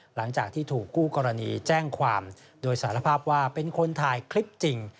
หลังจากที่ถูกคู่กรณีแจ้งความโดยสารภาพว่าเป็นคนถ่ายคลิปจริง